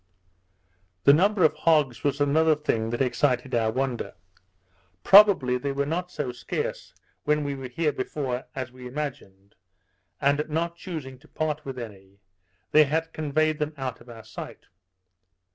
The number of hogs was another thing that excited our wonder. Probably they were not so scarce when we were here before, as we imagined, and not chusing to part with any, they had conveyed them out of our sight.